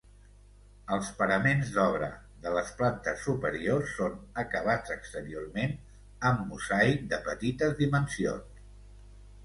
Els paraments d'obra de les plantes superiors són acabats exteriorment amb mosaic de petites dimensions.